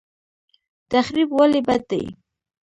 تخریب ولې بد دی؟